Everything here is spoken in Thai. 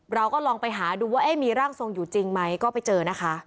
เราก็ลองไปหาดูว่ามีร่างทรงอยู่จริงไหมก็ไปเจอนะคะ